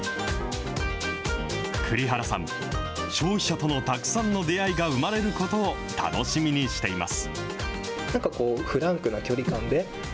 栗原さん、消費者とのたくさんの出会いが生まれることを楽しみにしています。